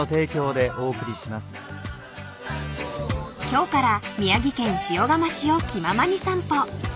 ［今日から宮城県塩竈市を気ままに散歩］